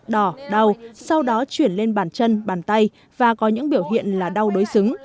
đỏ đau sau đó chuyển lên bàn chân bàn tay và có những biểu hiện là đau đối xứng